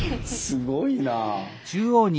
すごいなぁ。